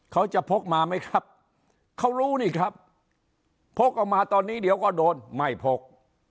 พกมาไหมครับเขารู้นี่ครับพกออกมาตอนนี้เดี๋ยวก็โดนไม่พก